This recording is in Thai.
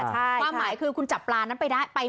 ความหมายคือคุณจับปลานั้นไปได้